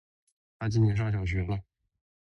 他今年上小学了